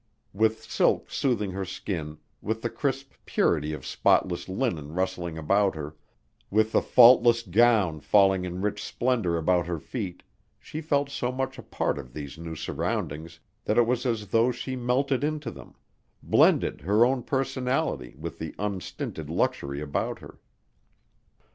With silk soothing her skin, with the crisp purity of spotless linen rustling about her, with the faultless gown falling in rich splendor about her feet, she felt so much a part of these new surroundings that it was as though she melted into them blended her own personality with the unstinted luxury about her.